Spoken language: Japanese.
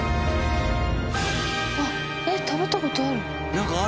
えっ食べた事ある。